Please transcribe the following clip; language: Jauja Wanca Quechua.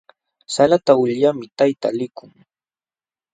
Salata ulyaqmi tayta likun.